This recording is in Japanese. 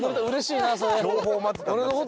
うれしいなそれ。